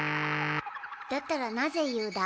だったらなぜ言うだ？